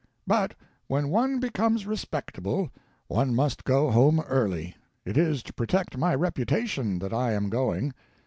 But when one becomes respectable, one must go home early. It is to protect my reputation that I am going.